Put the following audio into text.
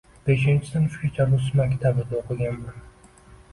— Beshinchi sinfgacha rus maktabida o‘qiganman.